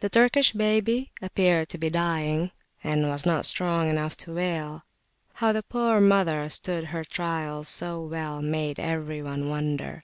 The Turkish baby appeared to be dying, and was not strong enough to wail. How the poor mother stood her trials so well, made every one wonder.